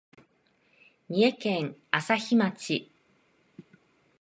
三重県朝日町